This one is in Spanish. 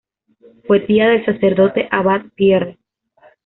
Fue tía del sacerdote Abad Pierre.